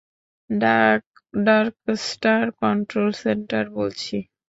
Darkstar, control centre বলছি।